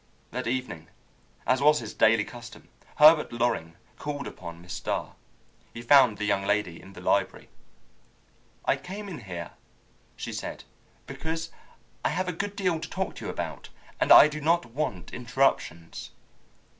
That evening, as was his daily custom, Herbert Loring called upon Miss Starr. He found the young lady in the library. "I came in here," she said, "because I have a good deal to talk to you about, and I do not want interruptions."